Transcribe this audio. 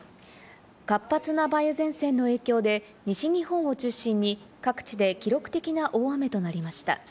活発な梅雨前線の影響で、西日本を中心に各地で記録的な大雨となりました。